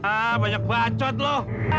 ah banyak bacot lo